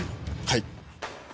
はい。